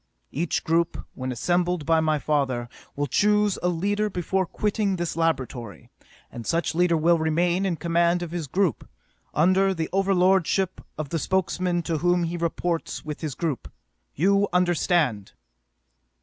Each group, when assembled by my father, will choose a leader before quitting this laboratory, and such leader will remain in command of his group, under the overlordship of the Spokesman to whom he reports with his group. You understand!